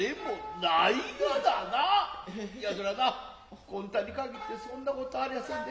いやそらなこんたに限ってそんな事ありやせんで。